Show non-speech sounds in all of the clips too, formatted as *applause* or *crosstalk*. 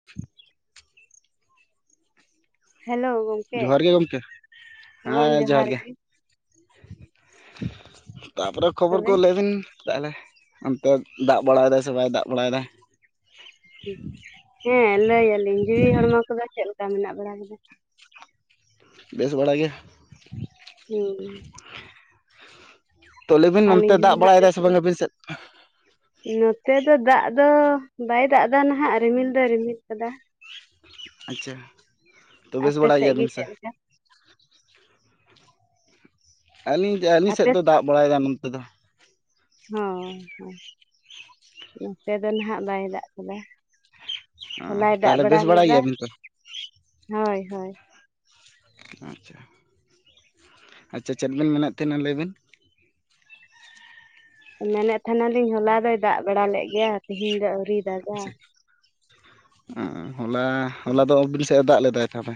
*unintelligible* Hello ᱜᱚᱝ ᱡᱚᱦᱟᱨ ᱜᱮ ᱜᱚᱢᱠᱮ ᱦᱮᱸ ᱡᱚᱦᱟᱨ ᱜᱮ ᱛᱟ ᱯᱚᱨᱮ ᱠᱷᱚᱵᱚᱨ ᱛᱚᱵᱮ ᱠᱚ ᱞᱟᱹᱭ ᱵᱤᱱ ᱛᱟᱦᱞᱮ ᱚᱱᱛᱮ ᱫᱟᱜ ᱵᱟᱲᱟᱭ ᱫᱟᱭ ᱥᱮ ᱵᱟᱭ ᱫᱟᱜ ᱵᱟᱲᱟᱭ ᱫᱟᱭ *unintelligible* ᱦᱮᱸ ᱞᱟᱹᱭ ᱟᱹᱞᱤᱧ ᱡᱤᱣᱤ ᱦᱚᱲᱢᱚ ᱠᱚᱫᱚ ᱪᱮᱫ ᱞᱮᱠᱟ ᱢᱮᱱᱟᱜ ᱵᱟᱲᱟ ᱵᱤᱱᱟ ᱵᱮᱥ ᱵᱟᱲᱟ ᱜᱮ ᱦᱩᱸ ᱛᱚ ᱞᱟᱹᱭ ᱵᱤᱱ ᱱᱚᱱᱛᱮ ᱟᱹᱞᱤᱧ ᱦᱚᱸ ᱫᱟᱜ ᱱᱟᱦᱟᱜ ᱵᱟᱲᱟᱭ ᱮᱫᱟᱭ ᱵᱮᱥ ᱥᱮ ᱜᱮ ᱵᱟᱝ ᱟᱹᱵᱤᱱ ᱥᱮᱫ ᱱᱚᱛᱮ ᱫᱚ ᱫᱟᱜ ᱫᱚ ᱵᱟᱭ ᱫᱟᱜ ᱫᱟ ᱱᱟᱜ ᱨᱤᱢᱤᱞ ᱫᱚᱭ ᱨᱤᱢᱤᱞ ᱠᱟᱫᱟ ᱟᱪᱪᱷᱟ ᱛᱚ ᱵᱮᱥ ᱟᱯᱮ ᱵᱟᱲᱟᱭ ᱥᱮᱫ ᱜᱮᱭᱟ ᱜᱮ ᱵᱤᱱ ᱥᱮ ᱪᱮᱫ ᱞᱮᱠᱟ ᱟᱹᱞᱤᱧ ᱟᱹᱞᱤᱧ ᱟᱯᱮ ᱥᱮᱫ ᱫᱚ ᱫᱟᱜ ᱵᱟᱲᱟᱭ ᱮᱫᱟ ᱱᱚᱱᱛᱮ ᱫᱚ ᱦᱚᱸ ᱦᱚᱸ ᱱᱚᱛᱮ ᱫᱚ ᱱᱟᱦᱟᱜ ᱵᱟᱭ ᱫᱟᱜ ᱟᱠᱟᱫᱟ ᱦᱚᱞᱟᱭ ᱫᱟᱜ ᱛᱟᱦᱚᱞᱮ ᱵᱟᱲᱟ ᱵᱮᱥ ᱵᱟᱲᱟᱭ ᱞᱮᱫᱟ ᱜᱮᱭᱟᱵᱤᱱ ᱛᱚ ᱦᱳᱭ ᱦᱳᱭ ᱟᱪᱪᱷᱟ ᱟᱪᱪᱷᱟ ᱪᱮᱫ ᱵᱤᱱ ᱢᱮᱱᱮᱫ ᱛᱟᱦᱮᱱᱟ ᱞᱟᱹᱭ ᱵᱤᱱ ᱢᱮᱱᱮᱫ ᱛᱟᱦᱮᱫ ᱟᱹᱞᱤᱧ ᱦᱚᱞᱟ ᱫᱚᱭ ᱫᱟᱜ ᱵᱟᱲᱟ ᱞᱮᱫ ᱜᱮᱭᱟ ᱛᱤᱦᱤᱧ ᱫᱚ ᱟᱹᱣᱨᱤ ᱫᱟᱜ *unintelligible* ᱦᱚᱞᱟ ᱦᱚᱞᱟ ᱫᱚ ᱟᱹᱵᱤᱱ ᱥᱮᱫ ᱮ ᱫᱟᱜ ᱞᱮᱫᱟᱭ ᱛᱟᱦᱞᱮ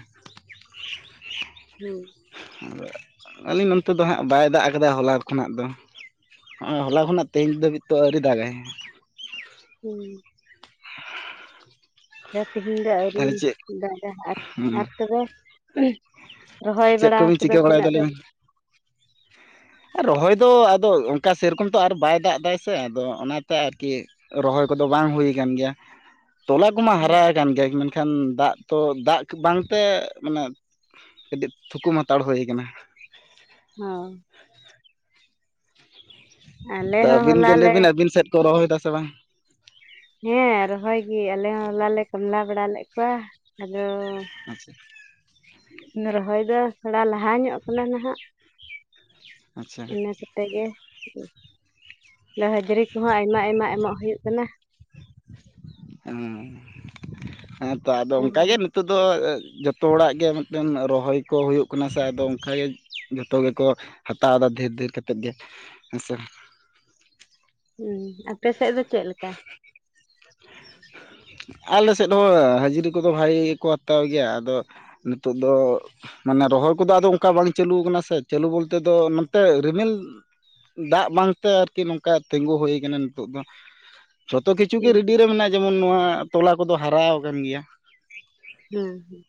ᱦᱩᱸ *unintelligible* ᱟᱹᱞᱤᱧ ᱱᱚᱱᱛᱮ ᱫᱚ ᱦᱟᱸᱜ ᱵᱟᱭ ᱫᱟᱜ ᱠᱟᱫᱟ ᱦᱚᱞᱟ ᱠᱷᱚᱱᱟᱜ ᱫᱚ ᱦᱚᱸᱜ ᱚᱭ ᱦᱚᱞᱟ ᱠᱷᱚᱱᱟᱜ ᱛᱮᱦᱮᱧ ᱫᱷᱟᱹᱵᱤᱡ ᱛᱚ ᱟᱹᱣᱨᱤ ᱫᱟᱜ ᱟᱭ ᱦᱩᱸ ᱛᱤᱦᱤᱧ ᱫᱚ ᱟᱹᱣᱨᱤ ᱛᱟᱦᱚᱞᱮ ᱪᱮᱫ ᱫᱟᱜᱼᱟ ᱟᱨ ᱟᱨ ᱛᱚᱵᱮ *inaudible* ᱨᱚᱦᱚᱭ ᱪᱮᱫ ᱵᱟᱲᱟ ᱠᱚᱵᱤᱱ ᱠᱚᱫᱚ ᱪᱤᱠᱟᱹ ᱵᱟᱲᱟᱭᱮᱫᱟ ᱛᱤᱱᱟᱹᱜ ᱫᱷᱟᱹᱵᱤᱡ ᱟᱨ ᱨᱚᱦᱚᱭ ᱫᱚ ᱟᱫᱚ ᱚᱱᱠᱟ ᱥᱮᱨᱚᱠᱚᱢ ᱛᱚ ᱟᱨ ᱵᱟᱭ ᱫᱟᱜ ᱫᱟᱭ ᱥᱮ ᱟᱫᱚ ᱚᱱᱟᱛᱮ ᱟᱨᱠᱤ ᱨᱚᱦᱚᱭ ᱠᱚᱫᱚ ᱵᱟᱝ ᱦᱩᱭ ᱠᱟᱱ ᱜᱮᱭᱟ ᱛᱚᱞᱟ ᱠᱚᱢᱟ ᱦᱟᱨᱟ ᱠᱟᱱ ᱜᱮᱭᱟ *inaudible* ᱮᱱᱠᱷᱟᱱ ᱫᱟᱜ ᱛᱚ ᱫᱟᱜ ᱵᱟᱝ ᱛᱮ ᱢᱟᱱᱮ ᱠᱟᱹᱴᱤᱡ ᱛᱷᱩᱠᱩᱢ ᱦᱟᱛᱟᱲ ᱦᱩᱭ ᱠᱟᱱᱟ ᱦᱚᱸ ᱟᱞᱮ ᱛᱚ ᱦᱚᱸ ᱟᱹᱵᱤᱱ ᱦᱚᱞᱟ ᱜᱮ ᱞᱟᱹᱭ ᱞᱮ ᱵᱤᱱ ᱟᱹᱵᱤᱱ ᱥᱮᱫ ᱠᱚ ᱨᱚᱦᱚᱭ ᱫᱟ ᱥᱮ ᱵᱟᱝ ᱦᱮᱸ ᱨᱚᱦᱚᱭ ᱜᱮ ᱟᱞᱮ ᱦᱚᱸ ᱦᱚᱞᱟ ᱞᱮ ᱠᱢᱞᱟ ᱵᱟᱲᱟ ᱞᱮᱫ ᱠᱚᱣᱟ ᱟᱫᱚ ᱟᱪᱪᱷᱟ ᱨᱚᱦᱚᱭ ᱫᱚ ᱛᱷᱚᱲᱟ ᱞᱟᱦᱟ ᱧᱚᱜ ᱠᱟᱱᱟ ᱱᱟᱦᱟᱜ ᱟᱪᱪᱷᱟ ᱤᱱᱟᱹ ᱛᱮᱜᱮ ᱦᱟᱹᱡᱨᱤ ᱠᱚᱦᱚᱸ ᱟᱭᱢᱟ ᱟᱭᱢᱟ ᱮᱢᱚᱜ ᱦᱩᱭᱩᱜ ᱠᱟᱱᱟ *unintelligible* ᱦᱮᱸ ᱛᱚ ᱟᱫᱚ ᱦᱮᱸ ᱚᱱᱠᱟ ᱜᱮ ᱱᱤᱛᱚᱜ ᱫᱚ ᱡᱚᱛᱚ ᱚᱲᱟᱜ ᱜᱮ ᱢᱤᱫᱴᱮᱱ ᱨᱚᱦᱚᱭ ᱠᱚ ᱦᱩᱭᱩᱜ ᱠᱟᱱᱟ ᱥᱮ ᱟᱫᱚ ᱚᱱᱠᱟᱜᱮ ᱡᱚᱛᱚ ᱜᱮᱠᱚ ᱦᱟᱛᱟᱣ ᱮᱫᱟ ᱰᱷᱮᱨ ᱰᱷᱮᱨ ᱠᱟᱛᱮᱫ ᱜᱮ ᱦᱮᱸᱥᱮ ᱦᱩᱸ ᱟᱯᱮ ᱥᱮᱫ ᱫᱚ ᱪᱮᱫ ᱞᱮᱠᱟ ᱟᱞᱮ ᱥᱮᱫ ᱦᱚᱸ ᱦᱟᱹᱡᱨᱤ ᱠᱚᱫᱚ ᱵᱷᱟᱜᱤ ᱜᱮᱠᱚ ᱦᱟᱛᱟᱣ ᱜᱮᱭᱟ ᱟᱫᱚ ᱱᱤᱛᱳᱜ ᱫᱚ ᱢᱟᱱᱮ ᱨᱚᱦᱚᱭ ᱠᱚᱫᱚ ᱟᱫᱚ ᱚᱱᱠᱟ ᱵᱟᱝ ᱪᱟᱹᱞᱩ ᱟᱠᱟᱱᱟ ᱥᱮ ᱪᱟᱹᱞᱩ ᱵᱚᱞᱛᱮ ᱫᱚ ᱱᱚᱛᱮ ᱨᱤᱢᱤᱞ ᱫᱟᱜ ᱵᱟᱝᱛᱮ ᱟᱨᱠᱤ ᱱᱚᱝᱠᱟ ᱛᱤᱸᱜᱩ ᱦᱩᱭᱩ ᱠᱟᱱᱟ ᱱᱤᱛᱚᱜ ᱫᱚ ᱡᱷᱚᱛᱚ ᱠᱤᱪᱷᱩ ᱜᱮ ᱦᱮᱸ ᱨᱤᱰᱤ ᱨᱮ ᱢᱮᱱᱟᱜ-ᱟ ᱡᱮᱢᱚᱱ ᱱᱚᱣᱟ ᱛᱚᱞᱟ ᱠᱚᱫᱚ ᱦᱟᱨᱟᱣ ᱟᱠᱟᱱ ᱜᱮᱭᱟ ᱦᱮᱸ ᱦᱮᱸ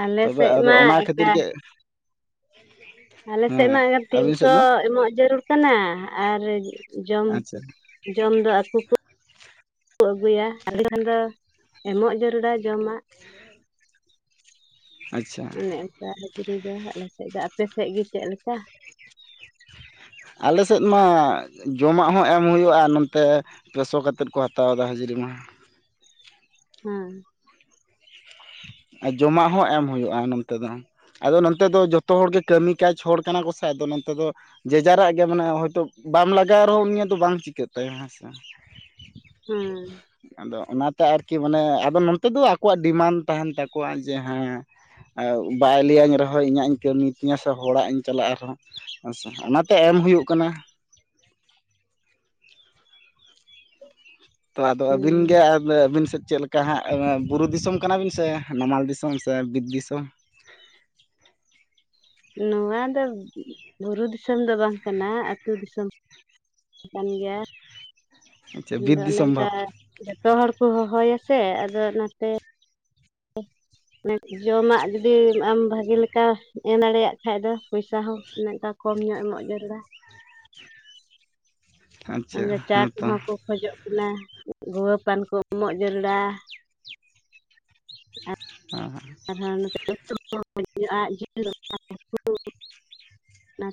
ᱟᱞᱮ ᱛᱚᱵᱮ ᱥᱮᱫ ᱟᱫᱚ ᱢᱟ ᱚᱱᱟ ᱠᱷᱟᱹᱛᱤᱨ ᱮᱠᱟ ᱜᱮ ᱟᱞᱮ ᱥᱮᱫ ᱦᱮᱸ ᱢᱟ ᱟᱹᱵᱤᱱ ᱥᱮᱫ ᱛᱤᱱᱥᱚ ᱫᱚ ᱮᱢᱚᱜ ᱡᱟᱹᱨᱩᱲ ᱠᱟᱱᱟ ᱟᱨ ᱡᱚᱢ ᱟᱪᱪᱷᱟ ᱡᱚᱢ ᱫᱚ ᱟᱠᱚ ᱠᱚ ᱟᱹᱜᱩᱭᱟ *unintelligible* ᱠᱷᱟᱱ ᱫᱚ ᱮᱢᱚᱜ ᱡᱟᱹᱨᱩᱲᱟ ᱡᱚᱢᱟᱜ ᱟᱪᱪᱷᱟ ᱚᱱᱮ ᱚᱱᱠᱟ *unintelligible* ᱫᱚ ᱟᱞᱮᱥᱮᱫ ᱫᱚ ᱟᱯᱮᱥᱮᱫ ᱜᱮ ᱪᱮᱫ ᱞᱮᱠᱟ ᱟᱞᱮᱥᱮᱫ ᱢᱟ ᱡᱚᱢᱟᱜ ᱦᱚᱸ ᱮᱢ ᱦᱩᱭᱩᱜ-ᱟ ᱱᱚᱛᱮ ᱯᱮᱥᱚ ᱠᱟᱛᱮᱫ ᱠᱚ ᱦᱟᱛᱟᱣ ᱮᱟ ᱦᱟᱹᱡᱨᱤ ᱢᱟ ᱦᱩᱸ ᱟᱨ ᱡᱚᱢᱟᱜ ᱦᱚᱸ ᱮᱢ ᱦᱩᱭᱩᱜ-ᱟ ᱱᱚᱱᱛᱮ ᱫᱚ ᱟᱫᱚ ᱱᱚᱱᱚᱛᱮ ᱫᱚ ᱡᱚᱛᱚ ᱦᱚᱲᱜᱮ ᱠᱟᱹᱢᱤ ᱠᱟᱡᱽ ᱦᱚᱲ ᱠᱟᱱᱟ ᱠᱚᱥ ᱟᱫᱚ ᱱᱚᱛᱮ ᱫᱚ ᱡᱮ ᱡᱟᱨᱟᱜ ᱜᱮ ᱢᱟᱱᱮ ᱦᱚᱭᱛᱳ ᱵᱟᱢ ᱞᱟᱜᱟᱣ ᱨᱮᱦᱚᱸ ᱩᱱᱤᱭ ᱫᱚ ᱵᱟᱝ ᱪᱤᱠᱟᱹᱜ ᱛᱟᱭᱟ ᱦᱮᱸ ᱥᱮ ᱦᱮᱸ ᱟᱫᱚ ᱚᱱᱟᱛᱮ ᱟᱨᱠᱤ ᱢᱟᱱᱮ ᱟᱫᱚ ᱱᱚᱱᱚᱛᱮ ᱫᱚ ᱟᱠᱚᱣᱟᱜ ᱰᱤᱢᱟᱱᱰ ᱛᱟᱦᱮᱱ ᱛᱟᱠᱚᱣᱟ ᱡᱮ ᱦᱮᱸ ᱵᱟᱭ ᱞᱟᱹᱭᱟᱹᱧ ᱨᱮᱦᱚᱸ ᱤᱧᱟᱹᱜ ᱤᱧ ᱠᱟᱹᱢᱤ ᱛᱤᱧᱟᱹ ᱥᱮ ᱦᱚᱲᱟᱜ ᱤᱧ ᱪᱟᱞᱟᱜ ᱨᱮᱦᱚᱸ ᱟᱪᱪᱷᱟ ᱚᱱᱟᱛᱮ ᱮᱢ ᱦᱩᱭᱩᱜ ᱠᱟᱱᱟ ᱛᱚ ᱟᱫᱚ ᱟᱹᱵᱤᱱ ᱦᱩᱸ ᱜᱮ ᱟᱹᱵᱤᱱ ᱥᱮᱫ ᱪᱮᱫ ᱞᱮᱠᱟ ᱚᱠᱟ ᱦᱟᱸᱜ ᱵᱩᱨᱩ ᱫᱤᱥᱚᱢ ᱠᱟᱱᱟᱵᱤᱱ ᱥᱮ ᱱᱟᱢᱟᱞ ᱫᱤᱥᱚᱢ ᱥᱮ ᱵᱤᱨ ᱫᱤᱥᱚᱢ ᱱᱚᱣᱟ ᱫᱚ ᱵᱩᱨᱩ ᱫᱤᱥᱚᱢ ᱫᱚ ᱵᱟᱝ ᱠᱟᱱᱟ ᱟᱹᱛᱩ ᱫᱤᱥᱚᱢ ᱠᱟᱱ ᱜᱮᱭᱟ ᱟᱪᱪᱷᱟ ᱵᱤᱨ ᱟᱫᱚ ᱚᱱᱮ ᱫᱤᱥᱚᱢ ᱚᱱᱠᱟ ᱵᱷᱟᱵᱽ ᱡᱚᱛᱚ ᱦᱚᱲᱠᱚ ᱦᱚᱦᱚᱭᱟ ᱥᱮ ᱟᱫᱚ ᱚᱱᱟᱛᱮ ᱡᱚᱢᱟᱜ ᱡᱩᱫᱤ ᱟᱢ ᱵᱷᱟᱜᱤ ᱞᱮᱠᱟ ᱮᱢ ᱫᱟᱲᱮᱭᱟᱜ ᱠᱷᱟᱡ ᱫᱚ ᱯᱚᱭᱥᱟ ᱦᱚᱸ ᱚᱱᱠᱟ ᱠᱚᱢ ᱧᱚᱜ ᱮᱢᱚᱜ ᱡᱟᱹᱨᱩᱲᱟ ᱟᱪᱪᱷᱟ ᱚᱱᱟ ᱪᱟ ᱦᱮᱸᱛᱚ ᱠᱚᱦᱚᱸ ᱠᱚ ᱠᱷᱚᱡᱚᱜ ᱠᱟᱱᱟ ᱜᱩᱣᱟᱹ ᱯᱟᱱ ᱠᱚ ᱩᱢᱚᱜ ᱡᱟᱹᱨᱲᱟ ᱦᱮᱸ ᱟᱨ ᱦᱚᱸ *unintelligible* ᱚᱱᱟ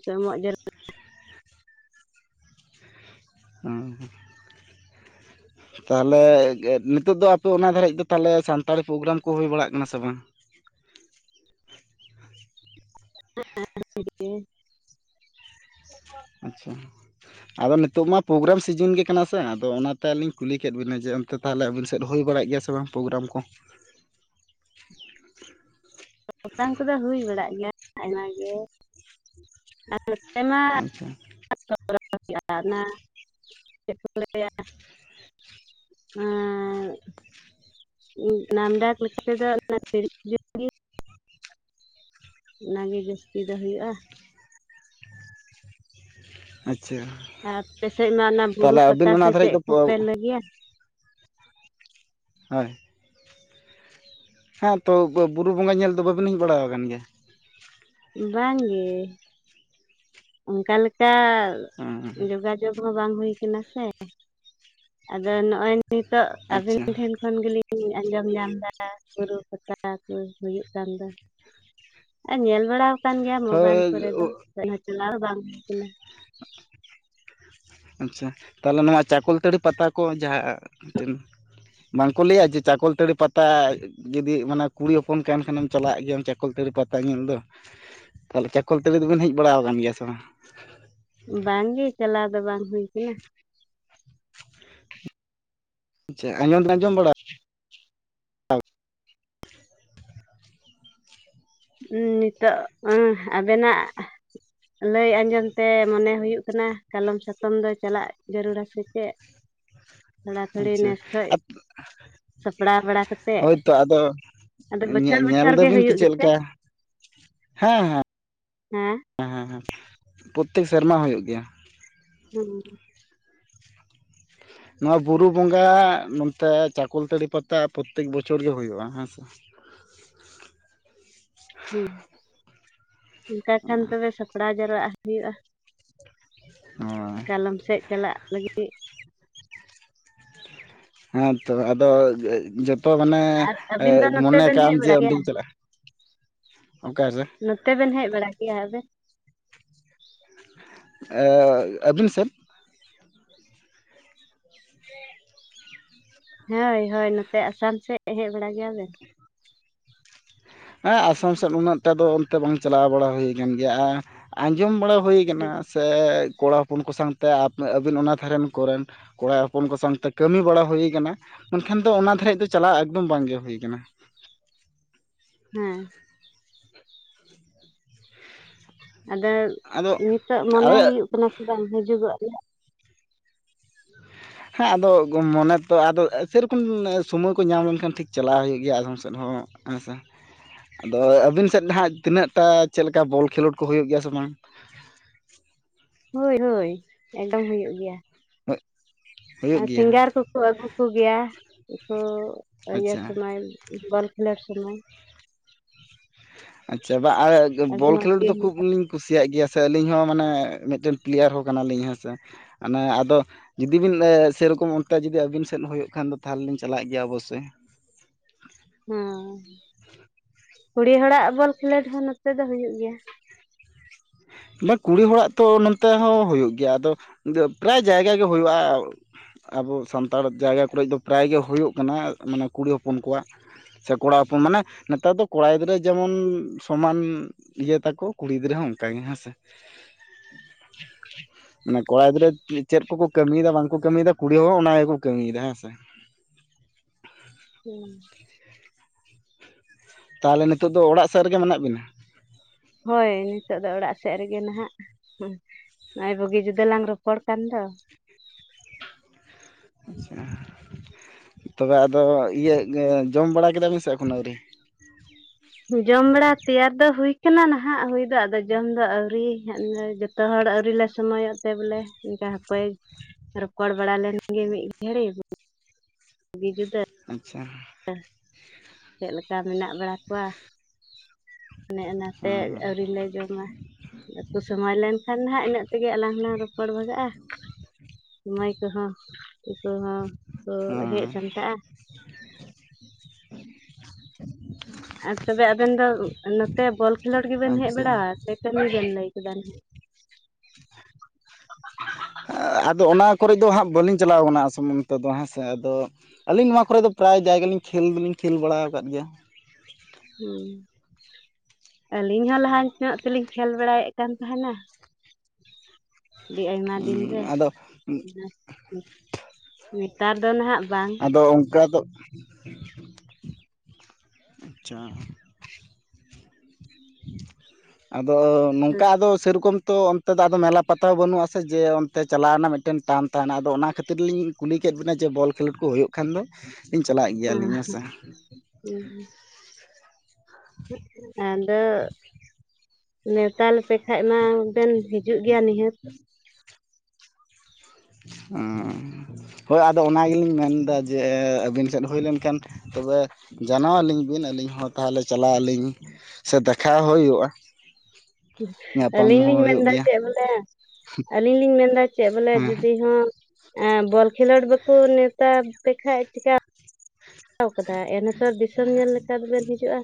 ᱠᱚ ᱮᱢᱚᱜ ᱡᱟᱲᱩᱲᱟ ᱦᱩᱸ ᱛᱟᱦᱞᱮ ᱱᱤᱛᱚᱜ ᱫᱚ ᱟᱯᱮ ᱚᱱᱟ ᱫᱷᱟᱨᱤᱡ ᱫᱚ ᱛᱟᱦᱚᱞᱮ ᱥᱟᱱᱛᱟᱲᱤ ᱯᱨᱳᱜᱨᱟᱢ ᱠᱚ ᱦᱩᱭ ᱵᱟᱲᱟᱜ ᱠᱟᱱᱟ ᱥᱮ ᱵᱟᱝ *unintelligible* ᱦᱮ ᱟᱪᱪᱷᱟ ᱟᱫᱚ ᱱᱤᱛᱚᱜ ᱢᱟ ᱯᱨᱳᱜᱨᱟᱢ ᱥᱤᱡᱤᱱ ᱜᱮ ᱠᱟᱱᱟ ᱥᱮ ᱟᱫᱚ ᱚᱱᱟᱛᱮ ᱟᱹᱞᱤᱧ ᱠᱩᱞᱤ ᱠᱮᱫᱮᱫ ᱵᱤᱱᱟ ᱡᱮ ᱛᱟᱦᱚᱞᱮ ᱟᱹᱵᱤᱱ ᱥᱮᱫ ᱦᱩᱭ ᱵᱟᱲᱟᱭ ᱜᱮᱭᱟ ᱥᱮ ᱵᱟᱝ ᱯᱨᱳᱜᱨᱟᱢ ᱠᱚ ᱯᱨᱚᱜᱨᱟᱢ ᱠᱚᱫᱚ ᱦᱩᱭ ᱵᱟᱲᱟᱜ ᱜᱮᱭᱟ ᱟᱭᱢᱟ ᱜᱮ ᱟᱨ ᱱᱚᱛᱮ ᱢᱟ ᱟᱪᱪᱷᱟ ᱟᱲᱟᱜᱱᱟ ᱪᱮᱫ ᱠᱚ ᱞᱟᱹᱭᱟ ᱱᱚᱣᱟᱻ ᱱᱟᱢ ᱰᱟᱠ ᱞᱮᱠᱟ ᱛᱮᱫᱚ ᱛᱤᱨᱤᱥ ᱡᱩᱱ ᱜᱮ ᱚᱱᱟᱜᱮ ᱡᱟᱹᱥᱛᱤ ᱫᱚ ᱦᱩᱭᱩᱜ-ᱟ ᱟᱪᱪᱷᱟ ᱟᱯᱮᱥᱮᱫ ᱢᱟ ᱚᱱᱟ ᱵᱩᱨᱩ ᱛᱟᱦᱚᱞᱮ ᱯᱟᱛᱟ ᱟᱹᱵᱤᱱ ᱥᱮ ᱚᱱᱟ ᱫᱷᱟᱨᱤᱡ ᱪᱮᱫ ᱫᱚ ᱠᱚᱯᱮ ᱞᱟᱹᱭ ᱜᱮᱭᱟ ᱦᱳᱭ ᱦᱮᱸ ᱛᱚ ᱵᱩᱨᱩ ᱵᱚᱸᱜᱟ ᱧᱮᱞ ᱫᱚ ᱵᱟᱹᱵᱤᱱ ᱦᱮᱡ ᱵᱟᱲᱟ ᱟᱠᱟᱱ ᱜᱮᱭᱟ? ᱵᱟᱝ ᱜᱮ ᱾ ᱚᱱᱠᱟ ᱞᱮᱠᱟ ᱦᱮᱸ ᱡᱳᱜᱟᱡᱳᱜᱽ ᱦᱚᱸ ᱵᱟᱝ ᱦᱩᱭ ᱠᱟᱱᱟ ᱥᱮ ᱾ ᱟᱫᱚ ᱱᱚᱜ-ᱚᱭ ᱱᱤᱛᱚᱜ ᱟᱵᱤᱱ ᱟᱪᱪᱷᱟ ᱴᱷᱮᱱ ᱠᱷᱚᱱ ᱜᱮᱞᱤᱧ ᱟᱸᱡᱚᱢ ᱧᱟᱢ ᱮᱫᱟ ᱵᱩᱨᱩ ᱯᱟᱛᱟ ᱠᱚ ᱦᱩᱭᱩᱜ ᱠᱟᱱ ᱫᱚ ᱾ ᱟᱨ ᱧᱮᱞ ᱵᱟᱲᱟ ᱟᱠᱟᱱ ᱜᱮᱭᱟ ᱢᱳᱵᱟᱭᱤᱞ ᱦᱳᱭ ᱠᱚᱨᱮ ᱫᱚ ᱪᱮᱫ ᱦᱚᱸ ᱪᱟᱞᱟᱣ ᱵᱟᱝ ᱦᱩᱭ ᱠᱟᱱᱟ ᱾ *inaudible* ᱟᱪᱪᱷᱟ ᱛᱟᱦᱚᱞᱮ ᱱᱚᱣᱟ ᱪᱟᱠᱚᱞᱛᱟᱹᱲᱤ ᱯᱟᱛᱟ ᱠᱚ ᱡᱟᱦᱟᱸ ᱛᱤᱱᱟᱹᱜ ᱵᱟᱝᱠᱚ ᱞᱟᱹᱭᱟ ᱡᱮ ᱪᱟᱠᱚᱞᱛᱟᱹᱲᱤ ᱯᱟᱛᱟ ᱡᱩᱫᱤ ᱢᱟᱱᱮ ᱠᱩᱲᱤ ᱦᱚᱯᱚᱱ ᱠᱟᱱ ᱠᱷᱟᱱᱮᱢ ᱪᱟᱞᱟᱜ ᱜᱮᱭᱟ ᱪᱟᱠᱚᱞᱛᱟᱹᱲᱤ ᱯᱟᱛᱟ ᱧᱮᱞ ᱫᱚ ᱾ ᱛᱟᱦᱚᱞᱮ ᱪᱟᱠᱚᱞ ᱛᱟᱲᱤ ᱫᱚᱵᱤᱱ ᱦᱮᱡ ᱵᱟᱲᱟ ᱟᱠᱟᱱ ᱜᱮᱭᱟ ᱥᱮ ᱵᱟᱝ? ᱵᱟᱝᱜᱮ ᱪᱟᱞᱟᱣ ᱫᱚ ᱵᱟᱝ ᱦᱩᱭ ᱠᱟᱱᱟ ᱾ ᱟᱪᱪᱷᱟ ᱟᱸᱡᱚᱢ ᱫᱚ ᱟᱸᱡᱚᱢ ᱵᱟᱲᱟ *inaudible* ᱦᱸ ᱱᱤᱛᱚᱜ ᱦᱸ ᱟᱹᱵᱤᱱᱟᱜ ᱞᱟᱹᱭ ᱟᱸᱡᱚᱢ ᱛᱮ ᱢᱚᱱᱮ ᱦᱩᱭᱩᱜ ᱠᱟᱱᱟ ᱠᱟᱞᱚᱢ ᱥᱟᱛᱚᱢ ᱫᱚ ᱪᱟᱞᱟᱜ ᱡᱟᱹᱨᱩᱲᱟ ᱟᱥᱮ ᱪᱮᱫ ᱛᱷᱚᱲᱟ ᱛᱷᱩᱲᱤ ᱟᱪᱪᱷᱟ ᱱᱮᱥ ᱠᱷᱚᱱ ᱥᱟᱯᱲᱟᱣ ᱵᱟᱲᱟ ᱠᱟᱛᱮ ᱦᱳᱭ ᱛᱳ ᱟᱫᱚ ᱧᱮᱞ ᱵᱚᱪᱷᱚᱨ ᱜᱮ ᱫᱟᱹᱵᱤᱱ ᱫᱚ ᱦᱩᱭᱩᱜ ᱪᱮᱫ ᱜᱮᱛᱮ ᱞᱮᱠᱟ ᱦᱮᱸ ᱦᱮᱸ ᱾ ᱦᱮᱸ ᱦᱮᱸ ᱦᱮᱸ ᱦᱮᱸ ᱯᱨᱚᱛᱮᱠ ᱥᱮᱨᱢᱟ ᱦᱩᱭᱩᱜ ᱜᱮᱭᱟ ᱾ ᱦᱩᱸ ᱱᱚᱣᱟ ᱵᱩᱨᱩ ᱵᱚᱸᱜᱟ ᱱᱚᱛᱮ ᱪᱟᱠᱳᱚᱞᱛᱟᱹᱲᱤ ᱯᱟᱛᱟ ᱯᱨᱚᱛᱮᱠ ᱵᱚᱪᱷᱚᱨ ᱜᱮ ᱦᱩᱭᱩᱜᱼᱟ ᱦᱮᱸ ᱥᱮ ᱾ ᱦᱮᱸ ᱚᱱᱠᱟ ᱠᱷᱟᱱ ᱛᱚᱵᱮ ᱥᱟᱯᱲᱟᱣ ᱡᱟᱣᱨᱟᱜ ᱦᱩᱭᱩᱜᱼᱟ ᱦᱳᱭ ᱾ ᱠᱟᱞᱚᱢ ᱥᱮᱫ ᱪᱟᱞᱟᱜ ᱞᱟᱹᱜᱤᱫ ᱾ ᱦᱮᱸᱛᱚ ᱟᱫᱚ ᱡᱚᱛᱚ ᱢᱟᱱᱮ ᱟᱨ ᱟᱹᱵᱤᱱ ᱫᱚ ᱱᱚᱛᱮ ᱢᱚᱱᱮ ᱵᱮᱱ ᱠᱟᱜᱢ ᱦᱮᱡ ᱡᱮ ᱵᱟᱲᱟᱜ ᱜᱮᱭᱟ ᱚᱱᱛᱤᱧ ᱪᱟᱞᱟᱜᱼᱟ ᱾ ᱚᱱᱠᱟ ᱥᱮ ᱱᱚᱛᱮ ᱵᱤᱱ ᱦᱮᱡ ᱵᱟᱲᱟ ᱠᱤᱭᱟ ᱟᱹᱵᱤᱱ? ᱟᱹᱵᱤᱱ ᱥᱮᱫ ᱦᱳᱭ ᱦᱳᱭ ᱱᱚᱛᱮ ᱟᱥᱟᱢ ᱥᱮᱫ ᱦᱮᱡ ᱵᱟᱲᱟ ᱜᱮᱭᱟ ᱵᱤᱱ? ᱦᱮᱸ ᱟᱥᱟᱢ ᱥᱮᱫ ᱩᱱᱟᱹᱜ ᱴᱟ ᱫᱚ ᱚᱱᱛᱮ ᱵᱟᱝ ᱪᱟᱞᱟᱣ ᱵᱟᱲᱟ ᱦᱩᱭ ᱠᱟᱱ ᱜᱮᱭᱟ ᱟᱸᱡᱚᱢ ᱵᱟᱲᱟ ᱦᱩᱭ ᱠᱟᱱᱟ ᱾ ᱥᱮ ᱠᱚᱲᱟ ᱦᱚᱯᱚᱱ ᱠᱚ ᱥᱟᱶᱛᱮ ᱟᱹᱵᱤᱱ ᱚᱱᱟ ᱫᱷᱟᱨᱮᱱ ᱠᱚᱨᱮᱱ ᱠᱚᱲᱟ ᱦᱚᱯᱚᱱ ᱠᱚ ᱥᱟᱶᱛᱮ ᱠᱟᱹᱢᱤ ᱵᱟᱲᱟ ᱦᱩᱭ ᱠᱟᱱᱟ ᱢᱮᱱᱠᱷᱟᱱ ᱫᱚ ᱚᱱᱟ ᱫᱷᱟᱨᱤᱡ ᱫᱚ ᱪᱟᱞᱟᱜ ᱮᱠᱫᱚᱢ ᱵᱟᱝᱜᱮ ᱦᱩᱭ ᱠᱟᱱᱟ ᱾ ᱦᱮᱸ ᱟᱫᱚ ᱟᱫᱚ ᱱᱤᱛᱳ ᱢᱚᱱᱮ ᱟᱞᱮ ᱦᱩᱭᱩᱜ ᱠᱟᱱᱟ ᱥᱮ ᱵᱟᱝ ᱦᱤᱡᱩᱜᱚᱜ ᱨᱮᱭᱟᱜ? ᱦᱮᱸ ᱟᱫᱚ ᱢᱚᱱᱮᱛᱚ ᱟᱫᱚ ᱡᱮᱨᱚᱠᱚᱢ ᱥᱳᱚᱢᱚᱭ ᱠᱚ ᱧᱟᱢ ᱞᱮᱱᱠᱷᱟᱱ ᱴᱷᱤᱠ ᱪᱟᱞᱟᱣ ᱦᱩᱭᱩᱜ ᱜᱮᱭᱟ ᱟᱫᱷᱚᱢ ᱥᱮᱫ ᱦᱚᱸ ᱾ ᱦᱮᱸ ᱥᱮ ᱟᱫᱚ ᱟᱹᱵᱤᱱ ᱥᱮᱫ ᱦᱟᱸᱜ ᱛᱤᱱᱟᱹᱜ ᱴᱟ ᱪᱮᱫ ᱞᱮᱠᱟ ᱵᱚᱞ ᱠᱷᱮᱞᱳᱰ ᱠᱚ ᱦᱩᱭᱩᱜ ᱜᱮᱭᱟ ᱥᱮ ᱵᱟᱝ? ᱦᱳᱭ ᱦᱳᱭ ᱮᱰᱚᱢ ᱦᱩᱭᱩᱜ ᱜᱮᱭᱟ ᱾ ᱦ ᱟᱨ ᱥᱤᱝᱜᱟᱨ ᱠᱚᱠᱚ ᱟᱹᱜᱩ ᱠᱚᱜᱮᱭᱟ ᱠᱚ ᱤᱭᱟᱹ ᱟᱪᱪᱷᱟ ᱥᱚᱢᱚᱭ ᱵᱚᱞ ᱠᱷᱮᱞᱚ ᱥᱚᱢᱚᱭ ᱾ ᱟᱪᱪᱷᱟ ᱵᱟ ᱟᱨ ᱟᱹᱰᱤ ᱵᱚᱞ ᱢᱚᱡᱽ ᱠᱷᱮᱞᱳᱰ ᱫᱚ ᱠᱷᱩᱵ ᱦᱩᱭᱩᱜᱼᱟ ᱜᱮ ᱞᱤ ᱠᱩᱥᱤᱭᱟᱜ ᱜᱮᱭᱟ ᱥᱮ ᱟᱹᱞᱤᱧ ᱦᱚᱸ ᱢᱟᱱᱮ ᱢᱤᱫᱴᱮᱱ ᱯᱞᱮᱭᱟᱨ ᱦᱚᱸ ᱠᱟᱱᱟᱞᱤᱧ ᱦᱮᱸ ᱥᱮ ᱦᱟᱱᱮ ᱾ ᱟᱫᱚ ᱡᱩᱫᱤ ᱵᱤᱱ ᱥᱮᱨᱚᱠᱚᱢ ᱚᱱᱛᱮ ᱡᱩᱫᱤ ᱟᱹᱵᱤᱱ ᱥᱮᱫ ᱦᱩᱭᱩᱜ ᱠᱷᱟᱱ ᱫᱚ ᱛᱟᱦᱚᱞᱮ ᱤᱧ ᱪᱟᱞᱟᱜ ᱜᱮᱭᱟ ᱚᱵᱚᱥᱳᱭ ᱾ ᱦᱮᱸ ᱠᱩᱲᱤ ᱦᱚᱲᱟᱜ ᱵᱚᱞ ᱠᱷᱮᱞᱳᱰ ᱦᱚᱸ ᱱᱚᱛᱮ ᱫᱚ ᱦᱩᱭᱩᱜ ᱜᱮᱭᱟ ᱾ ᱢᱟ ᱠᱩᱲᱤ ᱦᱚᱲᱟᱜ ᱛᱚ ᱱᱚᱱᱛᱮ ᱦᱚᱸ ᱦᱩᱭᱩᱜ ᱜᱮᱭᱟ ᱾ ᱟᱫᱚ ᱯᱨᱟᱭ ᱡᱟᱭᱜᱟ ᱜᱮ ᱦᱩᱭᱩᱜᱼᱟ ᱾ ᱟᱵᱚ ᱥᱟᱱᱛᱟᱲ ᱡᱟᱭᱜᱟ ᱠᱚᱨᱮᱜ ᱫᱚ ᱯᱨᱟᱭ ᱜᱮ ᱦᱩᱭᱩᱜ ᱠᱟᱱᱟ ᱾ ᱢᱟᱱᱮ ᱠᱩᱲᱤ ᱦᱚᱯᱚᱱ ᱠᱚᱣᱟᱜ ᱾ ᱥᱮ ᱠᱚᱲᱟ ᱦᱚᱯᱚᱱ ᱢᱟᱱᱮ ᱱᱮᱛᱟᱨ ᱫᱚ ᱠᱚᱲᱟ ᱜᱤᱫᱽᱨᱟᱹ ᱡᱮᱢᱚᱱ ᱥᱚᱢᱟᱱ ᱤᱭᱟᱹ ᱛᱟᱠᱚ ᱠᱩᱲᱤ ᱜᱤᱫᱽᱨᱟᱹ ᱦᱚᱸ ᱚᱱᱠᱟᱜᱮ ᱦᱮᱸᱥᱮ ᱾ ᱢᱟᱱᱮ ᱠᱚᱲᱟ ᱜᱤᱫᱽᱨᱟᱹ ᱪᱮᱫ ᱠᱚᱠᱚ ᱠᱟᱹᱢᱤ ᱭᱮᱫᱟ ᱵᱟᱝ ᱠᱚ ᱠᱟᱹᱢᱤ ᱭᱮᱫᱟ ᱠᱩᱲᱤ ᱦᱚᱸ ᱜᱮᱠᱚ ᱠᱟᱹᱢᱤ ᱭᱮᱫᱟ ᱦᱮᱸ ᱥᱮ ᱾ ᱦᱮᱸ ᱛᱟᱦᱚᱞᱮ ᱱᱤᱛᱳᱜ ᱫᱚ ᱚᱲᱟᱜ ᱥᱮᱫ ᱨᱮᱜᱮ ᱢᱮᱱᱟᱜ ᱵᱤᱱᱟ? ᱦᱳᱭ ᱱᱤᱛᱚᱜ ᱫᱚ ᱚᱲᱟᱜ ᱥᱮᱫ ᱨᱮᱜᱮ ᱱᱟᱦᱟᱜ ᱾ ᱱᱚᱜ-ᱚᱭ ᱵᱩᱜᱤ ᱡᱩᱫᱟᱹ ᱞᱟᱝ ᱨᱚᱯᱚᱲ ᱠᱟᱱ ᱫᱚ ᱾ ᱟᱪᱪᱷᱟ ᱛᱚᱵᱮ ᱟᱫᱚ ᱤᱭᱟᱹ ᱡᱚᱢ ᱵᱟᱲᱟ ᱠᱮᱫᱟᱵᱤᱱ ᱥᱮ ᱮᱠᱷᱚᱱ ᱟᱹᱣᱨᱤ? ᱡᱚᱢ ᱵᱟᱲᱟ ᱛᱮᱭᱟᱨ ᱫᱚ ᱦᱩᱭ ᱠᱟᱱᱟ ᱱᱟᱦᱟᱜ ᱦᱩᱭ ᱫᱚ ᱟᱫᱚ ᱡᱚᱢ ᱫᱚ ᱟᱣᱨᱤ ᱾ ᱡᱚᱛᱚ ᱦᱚᱲ ᱟᱹᱣᱨᱤ ᱞᱮ ᱥᱚᱢᱚᱭᱚᱜ ᱛᱮ ᱵᱚᱞᱮ ᱤᱱᱠᱟ ᱦᱟᱯᱳᱭ ᱨᱚᱯᱚᱲ ᱵᱟᱲᱟ ᱞᱮᱱ ᱜᱮ ᱢᱤᱫ ᱜᱷᱟᱹᱲᱤᱡ *unintelligible* ᱟᱪᱪᱷᱟ *unintelligible* ᱪᱮᱫ ᱞᱮᱠᱟ ᱢᱮᱱᱟᱜ ᱵᱟᱲᱟ ᱠᱚᱣᱟ ᱚᱱᱮ ᱚᱱᱟᱛᱮ ᱦᱮᱸ ᱟᱹᱣᱨᱤ ᱞᱮ ᱡᱚᱢᱟ ᱵᱟᱹᱠᱩ ᱥᱚᱢᱚᱭ ᱞᱮᱱᱠᱷᱟᱱ ᱱᱟᱜ ᱤᱱᱟᱹᱜ ᱛᱮᱜᱮ ᱟᱞᱟᱝ ᱦᱚᱞᱟᱝ ᱨᱚᱯᱚᱲ ᱵᱷᱟᱜᱟᱜ-ᱟ ᱥᱚᱢᱚᱭ ᱠᱚᱦᱚᱸ ᱩᱱᱠᱩ ᱠᱚᱦᱚᱸ ᱠᱚ ᱦᱮᱡ ᱦᱮᱸ ᱥᱟᱢᱴᱟᱜ-ᱟ *inaudible* ᱟᱨ ᱛᱚᱵᱮ ᱟᱵᱮᱱ ᱫᱚ ᱱᱚᱛᱮ ᱵᱚᱞ ᱠᱷᱮᱞᱳᱰ ᱜᱮᱵᱮᱱ ᱦᱮᱡ ᱟᱪᱪᱷᱟ ᱵᱟᱲᱟ-ᱟᱜ ᱥᱮ ᱠᱟᱹᱢᱤ ᱵᱮᱱ ᱞᱟᱹᱭ ᱠᱮᱫᱟ ᱱᱟᱦᱟᱜ *inaudible* ᱟᱫᱚ ᱚᱱᱟ ᱠᱚᱨᱮ ᱫᱚ ᱦᱟᱸᱜ ᱵᱟᱹᱞᱤᱧ ᱪᱟᱞᱟᱣ ᱠᱟᱱᱟ ᱟᱥᱟᱢ ᱚᱱᱛᱮ ᱫᱚ ᱦᱮᱸ ᱥᱮ ᱟᱫᱚ ᱟᱹᱞᱤᱧ ᱱᱚᱣᱟ ᱠᱚᱨᱮ ᱫᱚ ᱯᱨᱟᱭ ᱡᱟᱭᱜᱟ ᱞᱤᱧ ᱠᱷᱮᱞ ᱫᱚᱞᱤᱧ ᱠᱷᱮᱞ ᱵᱟᱲᱟᱣ ᱟᱠᱟᱫ ᱜᱮᱭᱟ ᱦᱩᱸ ᱟᱹᱞᱤᱧ ᱦᱚᱸ ᱞᱟᱦᱟ ᱧᱚᱜ ᱛᱮᱞᱤᱧ ᱠᱷᱮᱞ ᱵᱟᱲᱟᱭᱮᱫ ᱠᱟᱱ ᱛᱟᱦᱮᱱᱟ ᱟᱹᱰᱤ ᱟᱭᱢᱟ ᱫᱤᱱ ᱨᱮ *unintelligible* ᱟᱫᱚ ᱱᱮᱛᱟᱨ ᱫᱚ ᱱᱟᱦᱟᱜ ᱵᱟᱝ ᱟᱫᱚ ᱚᱱᱠᱟ ᱫᱚ ᱟᱪᱪᱷᱟ ᱟᱫᱚ ᱱᱚᱝᱠᱟ ᱟᱫᱚ ᱥᱮᱨᱚᱠᱚᱢ ᱛᱚ ᱚᱱᱛᱮ ᱫᱚ ᱟᱫᱚ ᱢᱮᱞᱟ ᱯᱟᱛᱟ ᱵᱟᱹᱱᱩᱜ-ᱟ ᱥᱮ ᱡᱮ ᱚᱱᱛᱮ ᱪᱟᱞᱟᱣ ᱨᱮᱱᱟᱜ ᱢᱤᱫᱴᱮᱱ ᱴᱟᱱ ᱛᱟᱦᱮᱱᱟ ᱟᱫᱚ ᱚᱱᱟ ᱠᱷᱟᱹᱛᱤᱨ ᱞᱤᱧ ᱠᱩᱞᱤ ᱠᱮᱫ ᱵᱤᱱᱟ ᱡᱮ ᱵᱚᱞ ᱠᱷᱮᱞᱳᱰ ᱠᱚ ᱦᱩᱭᱩᱜ ᱠᱷᱟᱱ ᱫᱚᱞᱤᱧ ᱪᱟᱞᱟᱜ ᱜᱮᱭᱟᱞᱤᱧ ᱦᱮᱸ ᱥᱮ ᱦᱩᱸ ᱦᱩᱸ ᱟᱫᱚ ᱱᱮᱭᱛᱟ ᱞᱮᱯᱮ ᱠᱷᱟᱡ ᱢᱟ ᱵᱮᱱ ᱦᱤᱡᱩᱜ ᱜᱮᱭᱟ ᱱᱤᱦᱟᱹᱛ *inaudible* ᱚᱸᱻ ᱾ ᱦᱳᱭ ᱟᱫᱚ ᱚᱱᱟ ᱜᱮᱞᱤᱧ ᱢᱮᱱᱫᱟ ᱡᱮ ᱟᱹᱵᱤᱱ ᱥᱮᱫ ᱦᱩᱭ ᱞᱮᱱᱠᱷᱟᱱ ᱛᱚᱵᱮ ᱡᱟᱱᱟᱣ ᱟᱹᱞᱤᱧ ᱵᱤᱱ ᱟᱹᱞᱤᱧ ᱦᱚᱸ ᱛᱟᱦᱚᱞᱮ ᱪᱟᱞᱟᱜ ᱟᱹᱞᱤᱧ ᱥᱮ ᱫᱮᱠᱷᱟᱣ ᱦᱩᱭᱩᱜᱼᱟ ᱧᱟᱯᱟᱢ ᱟᱹᱞᱤᱧ ᱦᱚᱸ ᱞᱤᱧ ᱦᱩᱭᱩᱜ ᱢᱮᱱᱫᱟ ᱜᱮᱭᱟ ᱪᱮᱫ ᱵᱚᱞᱮ ᱟᱹᱞᱤᱧ ᱞᱤᱧ ᱢᱮᱱᱫᱟ ᱪᱮᱫ ᱵᱚᱞᱮ ᱦᱮᱸ ᱡᱩᱫᱤ ᱦᱚᱸ ᱵᱚᱞ ᱠᱷᱮᱞᱳᱰ ᱵᱟᱠᱚ ᱱᱮᱣᱛᱟ ᱯᱮ ᱠᱷᱟᱡ ᱪᱮᱠᱟ ᱠᱟᱫᱟ ᱮᱱ ᱦᱚᱛᱚ ᱫᱤᱥᱚᱢ ᱧᱮᱞ ᱞᱮᱠᱟ ᱫᱚ ᱵᱮᱱ ᱦᱤᱡᱩᱜ-ᱟ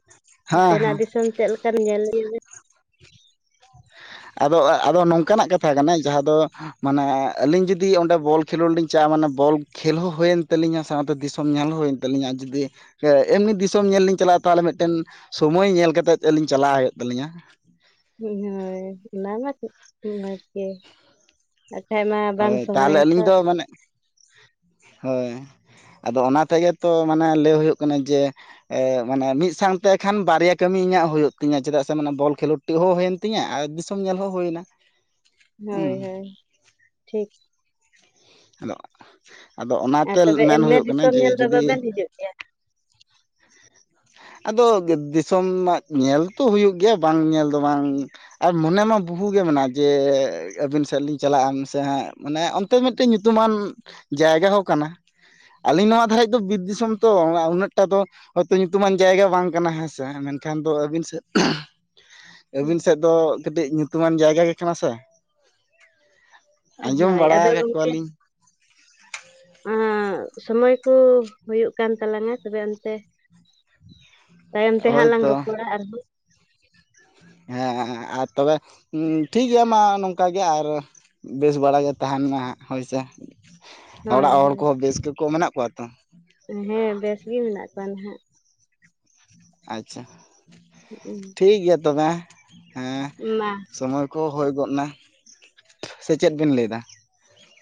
᱾ ᱦᱮᱸ ᱱᱚᱛᱮᱱᱟᱜ ᱦᱮᱸ ᱫᱤᱥᱚᱢ ᱫᱤᱥᱚᱢ ᱪᱮᱫ ᱞᱮᱠᱟᱱ ᱧᱮᱞ ᱤᱫᱤᱭᱟ ᱵᱮᱱ ᱟᱫᱚ ᱟᱫᱚ ᱱᱚᱝᱠᱟᱱᱟᱜ ᱠᱟᱛᱷᱟ ᱠᱟᱱᱟ ᱡᱟᱦᱟᱸ ᱫᱚ ᱢᱟᱱᱮ ᱟᱹᱞᱤᱧ ᱡᱩᱫᱤ ᱚᱸᱰᱮ ᱵᱚᱞ ᱠᱷᱮᱞᱳᱰ ᱞᱤᱧ ᱪᱟᱜ-ᱟ ᱢᱟᱱᱮ ᱵᱚᱞ ᱠᱷᱮᱞ ᱦᱚᱸ ᱦᱩᱭᱮᱱ ᱛᱟᱹᱞᱤᱧᱟ ᱥᱟᱶᱛᱮ ᱫᱤᱥᱚᱢ ᱧᱮᱞ ᱦᱚᱸ ᱦᱩᱭᱮᱱ ᱛᱟᱹᱞᱤᱧᱟ ᱟᱨ ᱡᱩᱫᱤ ᱮᱢᱱᱤ ᱫᱤᱥᱚᱢ ᱧᱮᱞ ᱞᱤᱧ ᱪᱟᱞᱟᱜ-ᱟ ᱛᱟᱦᱚᱞᱮ ᱢᱤᱫᱴᱮᱱ ᱥᱚᱢᱚᱭ ᱧᱮᱞ ᱠᱟᱛᱮᱜ ᱟᱹᱞᱤᱧ ᱪᱟᱞᱟᱜ ᱦᱩᱭᱩᱜ ᱛᱟᱹᱞᱤᱧᱟ ᱦᱳᱭ ᱚᱱᱟ ᱢᱟ *unintelligible* ᱵᱷᱟᱜᱮ ᱜᱮ ᱵᱟᱠᱷᱟᱡ ᱢᱟ ᱵᱟᱝ ᱦᱳᱭ ᱛᱟᱦᱚᱞᱮ ᱥᱚᱢᱚᱭᱚᱜ ᱟᱹᱞᱤᱧ ᱟᱛᱚ ᱫᱚ ᱢᱟᱱᱮ ᱦᱳᱭ ᱟᱫᱚ ᱚᱱᱟ ᱛᱮᱜᱮ ᱛᱚ ᱢᱟᱱᱮ ᱞᱟᱹᱭ ᱦᱳᱭᱳᱜ ᱠᱟᱱᱟ ᱡᱮ ᱢᱟᱱᱮ ᱢᱤᱫ ᱥᱟᱶᱛᱮ ᱠᱷᱟᱱ ᱵᱟᱨᱭᱟ ᱠᱟᱹᱢᱤ ᱤᱧᱟᱹᱜ ᱦᱩᱭᱩᱜ ᱛᱤᱧᱟᱹ ᱪᱮᱫᱟᱜ ᱥᱮ ᱢᱟᱱᱮ ᱵᱚᱞ ᱠᱷᱮᱞᱳᱰ ᱚ ᱦᱚᱸ ᱦᱩᱭᱮᱱ ᱛᱤᱧᱟᱹ ᱟᱨ ᱫᱤᱥᱚᱢ ᱧᱮᱞ ᱦᱚᱸ ᱦᱩᱭᱮᱱᱟ ᱦᱳᱭ ᱦᱳᱭ ᱴᱷᱤᱠ ᱟᱫᱚ ᱟᱫᱚ ᱟᱨ ᱚᱱᱟᱛᱮ ᱛᱚᱵᱮ ᱢᱮᱱ ᱮᱢᱱᱤ ᱦᱩᱭᱩᱜ ᱠᱟᱱᱟ ᱫᱤᱥᱚᱢ ᱡᱮ ᱧᱮᱞ ᱫᱚ ᱡᱩᱫᱤ *inaudible* ᱟᱫᱚ ᱫᱤᱥᱚᱢ ᱢᱟ ᱧᱮᱞ ᱛᱚ ᱦᱩᱭᱩᱜ ᱜᱮᱭᱟ ᱵᱟᱝ ᱧᱮᱞ ᱫᱚ ᱵᱟᱝ ᱟᱨ ᱢᱚᱱᱮ ᱢᱟ ᱵᱚᱦᱩ ᱜᱮ ᱢᱮᱱᱟᱭ ᱡᱮ ᱟᱹᱵᱤᱱ ᱥᱮᱫ ᱞᱤᱧ ᱪᱟᱞᱟᱜᱼᱟ ᱥᱮ ᱦᱟᱜ ᱢᱟᱱᱮ ᱛᱟ ᱢᱤᱫ ᱴᱮᱱ ᱧᱩᱛᱩᱢᱟᱱ ᱡᱟᱭᱜᱟ ᱦᱚᱸ ᱠᱟᱱᱟ ᱟᱹᱞᱤᱧ ᱱᱚᱣᱟ ᱫᱷᱟᱨᱮᱡ ᱫᱚ ᱵᱤᱨ ᱫᱤᱥᱚᱢ ᱛᱚ ᱩᱱᱟᱹᱜ ᱴᱟ ᱫᱚ ᱦᱚᱭᱛᱚ ᱧᱩᱛᱩᱢᱟᱱ ᱡᱟᱭᱜᱟ ᱵᱟᱝ ᱠᱟᱱᱟ ᱦᱮᱸᱥᱮ ᱢᱮᱱᱠᱷᱟᱱ ᱫᱚ ᱟᱹᱵᱤᱱ ᱥᱮᱫ ᱟᱹᱵᱤᱱ ᱥᱮᱫ ᱫᱚ ᱠᱟᱹᱴᱤᱡ ᱧᱩᱛᱩᱢᱟᱱ ᱡᱟᱭᱜᱟ ᱜᱮ ᱠᱟᱱᱟ ᱥᱮ ᱟᱸᱡᱚᱢ ᱦᱳᱭ ᱵᱟᱲᱟ ᱟᱫᱚ ᱠᱟᱜ ᱠᱚᱣᱟᱞᱤᱧ ᱚᱸ ᱥᱚᱢᱚᱭ ᱠᱚ ᱦᱩᱭᱩᱜ ᱠᱟᱱ ᱛᱟᱞᱟᱝᱟ ᱛᱚᱵᱮ ᱚᱱᱛᱮ ᱾ *inaudible* ᱛᱟᱭᱚᱢ ᱛᱮ ᱦᱟᱸᱜ ᱞᱟᱝ ᱦᱳᱭᱛᱚ ᱨᱚᱯᱚᱲᱟ ᱟᱨᱦᱚᱸ ᱾ ᱦᱮᱸ ᱟᱨ ᱛᱚᱵᱮ ᱴᱷᱤᱠ ᱜᱮᱭᱟ ᱢᱟ ᱱᱚᱝᱠᱟ ᱜᱮ ᱟᱨ ᱵᱮᱥ ᱵᱟᱲᱟ ᱜᱮ ᱛᱟᱦᱮᱸᱱ ᱢᱟ ᱦᱟᱸᱜ ᱦᱳᱭ ᱥᱮ ᱾ ᱦᱳᱭ ᱚᱲᱟᱜ ᱦᱚᱲ ᱦᱳᱭ ᱠᱚ ᱦᱚᱸ ᱵᱮᱥ ᱜᱮᱠᱚ ᱢᱮᱱᱟᱜ ᱠᱚᱣᱟ ᱛᱚ? ᱦᱮᱸ ᱵᱮᱥ ᱜᱮ ᱢᱮᱱᱟᱜ ᱠᱚᱣᱟ ᱱᱟᱦᱟᱜ ᱾ ᱟᱪᱪᱷᱟ ᱴᱷᱤᱠ ᱜᱮᱭᱟ ᱛᱚᱵᱮ ᱦᱮᱸ ᱾ ᱢᱟ, ᱥᱚᱢᱚᱭ ᱠᱚ ᱦᱳᱭ ᱜᱚᱫᱼᱱᱟ ᱥᱮ ᱪᱮᱫ ᱵᱤᱱ ᱞᱟᱹᱭ ᱮᱫᱟ?